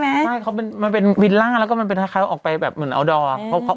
ไม่เขาเป็นมันเป็นวิลล่าแล้วก็มันเป็นคล้ายคล้ายออกไปแบบเหมือนเอาดอร์อ่ะ